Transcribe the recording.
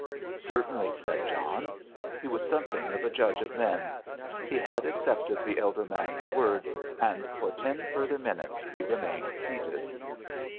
"Certainly," said John. He was something of a judge of men; he had accepted the elder man's word, and for ten further minutes he remained seated.